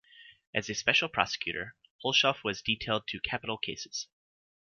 As a special prosecutor, Hulshof was detailed to capital cases.